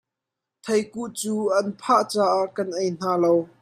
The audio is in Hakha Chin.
Thei kuh cu an phah caah kan ei hna lo.